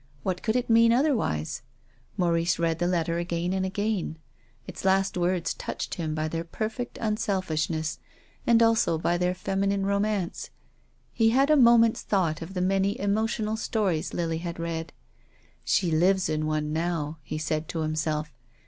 What could it mean otherwise? Maurice read the letter again and again. Its last words touched him by their perfect unselfishness and also by their feminine romance. He had a moment's thought of the many emotional stories Lily had read. "She lives in one now," he said to himself.